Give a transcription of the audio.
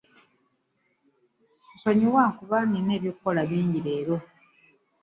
Nsonyiwa kuba nina eby'okukola bingi leero.